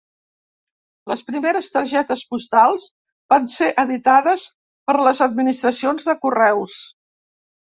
Les primeres targetes postals van ser editades per les administracions de Correus.